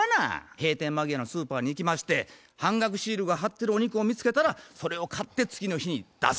閉店間際のスーパーに行きまして半額シールが貼ってるお肉を見つけたらそれを買って次の日に出す。